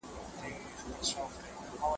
فکري ثبات په ټولنه کي د سولې او پرمختګ لامل ګرځي.